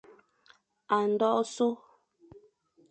A ndôghe so,